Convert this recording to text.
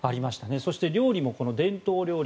そして、料理も伝統料理